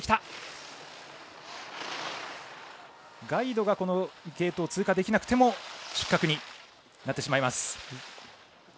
ガイドがゲートを通過できなくても失格になってしまいます。